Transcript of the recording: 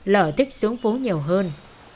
lờ thích xuống phố nhiều hơn